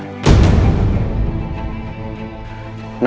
sepertinya ada orang yang ingin membuat kerusuhan di caruban ini bunda